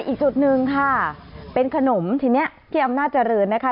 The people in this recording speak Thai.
อีกจุดหนึ่งค่ะเป็นขนมทีนี้ที่อำนาจเจริญนะคะ